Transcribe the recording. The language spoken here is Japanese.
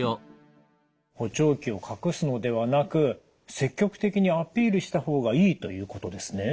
補聴器を隠すのではなく積極的にアピールした方がいいということですね。